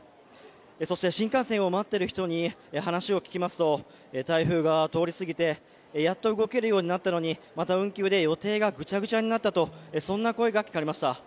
そして新幹線を待っている人に話を聞きますと台風が通り過ぎてやっと動けるようになったのに運休で予定がぐちゃぐちゃになったという声も聞かれました。